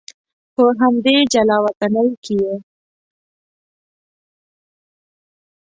په همدې جلا وطنۍ کې یې.